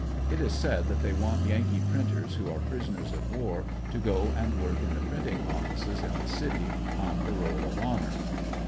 It is said that they want Yankee printers who are prisoners of war to go and work in the printing offices in the city on parole of honor